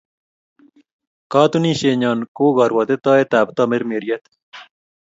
Ktunisienyo ko u karuatitaet ap tamirmiriet